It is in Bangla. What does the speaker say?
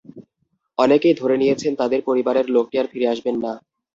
অনেকেই ধরে নিয়েছেন, তাঁদের পরিবারের লোকটি আর ফিরে আসবেন না।